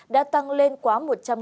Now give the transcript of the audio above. đã tăng lên quá một trăm linh